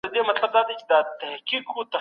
کمپيوټر ساونډ بدلوي.